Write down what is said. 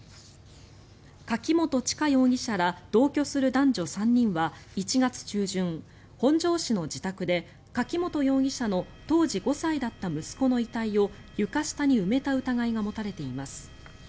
柿本知香容疑者ら同居する男女３人は１月中旬本庄市の自宅で柿本容疑者の当時５歳だった息子の遺体を床下に埋めた疑いが持たれています。